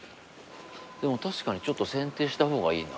確かにちょっと剪定した方がいいな。